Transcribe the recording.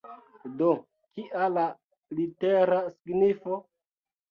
Do, kia la litera signifo?